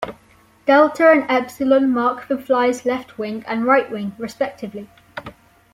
Delta and Epsilon mark the fly's left wing and right wing, respectively.